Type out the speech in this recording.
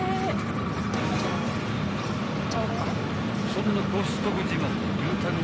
［そんなコストコ自慢の牛タン